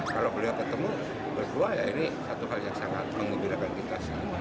kalau beliau bertemu berdua ini satu hal yang sangat mengubilakan kita